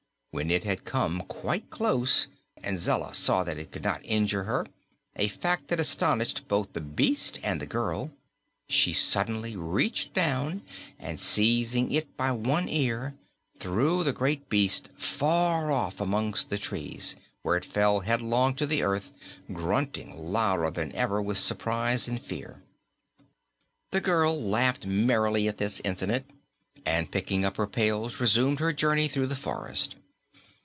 When it had come quite close and Zella saw that it could not injure her a fact that astonished both the beast and the girl she suddenly reached down and seizing it by one ear threw the great beast far off amongst the trees, where it fell headlong to the earth, grunting louder than ever with surprise and fear. The girl laughed merrily at this incident and, picking up her pails, resumed her journey through the forest.